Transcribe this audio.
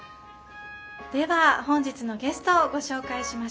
では本日のゲストをご紹介しましょう。